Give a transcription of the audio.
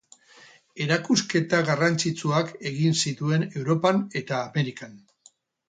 Erakusketa garrantzitsuak egin zituen Europan eta Amerikan.